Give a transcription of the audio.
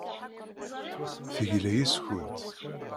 Tegla yes-kent.